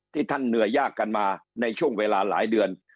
ท่านเหนื่อยยากกันมาในช่วงเวลาหลายเดือน